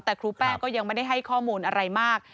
แต่ครูแป้งก็ยังไม่ได้ให้ข้อมูลอะไรมาก